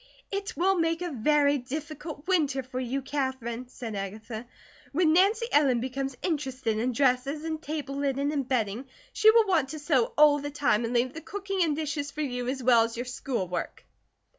"It will make a very difficult winter for you, Katherine," said Agatha. "When Nancy Ellen becomes interested in dresses and table linen and bedding she will want to sew all the time, and leave the cooking and dishes for you as well as your schoolwork."